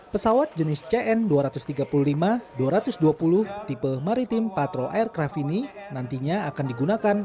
pesawat jenis cn dua ratus tiga puluh lima dua ratus dua puluh tipe maritim patrol aircraft ini nantinya akan digunakan